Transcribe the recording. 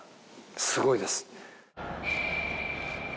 すごいです。